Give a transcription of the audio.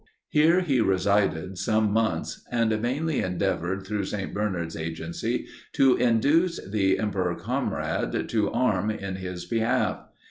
Here he resided some months, and vainly endeavoured through St. Bernard's agency to induce the Emperor Conrad to arm in his behalf.